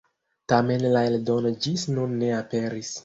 Tamen la eldono ĝis nun ne aperis.